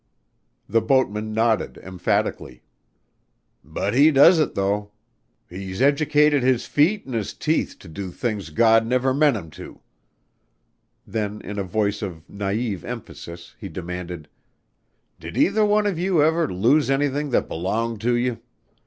The boatman nodded emphatically. "But he does it though. He's educated his feet an' his teeth to do things God never meant 'em to." Then in a voice of naïve emphasis he demanded, "Did either one of you ever lose anything that belonged to you?